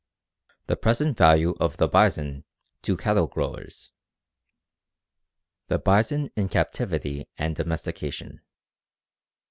THE PRESENT VALUE OF THE BISON TO CATTLE GROWERS. _The bison in captivity and domestication.